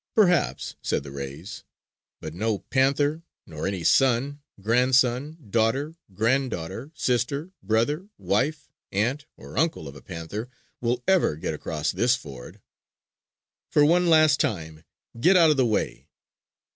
"Perhaps," said the rays; "but no panther, nor any son, grandson, daughter, granddaughter, sister, brother, wife, aunt or uncle of a panther will ever get across this ford! "For one last time, get out of the way!"